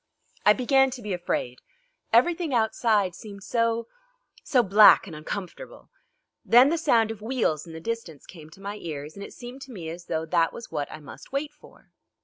I began to be afraid; everything outside seemed so so black and uncomfortable. Then the sound of wheels in the distance came to my ears, and it seemed to me as though that was what I must wait for.